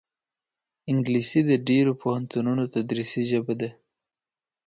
انګلیسي د ډېرو پوهنتونونو تدریسي ژبه ده